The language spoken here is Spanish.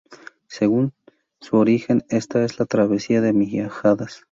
Su origen está en la travesía de Miajadas.